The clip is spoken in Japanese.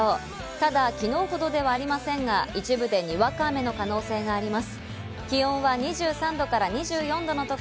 ただ、きのうほどではありませんが、一部でにわか雨の可能性があただいま！